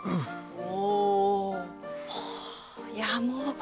お！